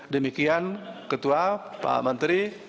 demikian ketua pak menteri